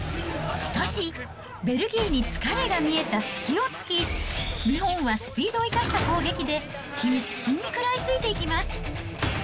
しかし、ベルギーに疲れが見えた隙をつき、日本はスピードを生かした攻撃で、必死に食らいついていきます。